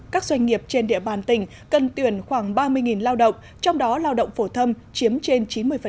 các doanh nghiệp trên địa bàn tỉnh cần tuyển khoảng ba mươi lao động trong đó lao động phổ thâm chiếm trên chín mươi